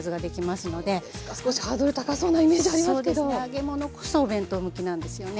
揚げ物こそお弁当向きなんですよね。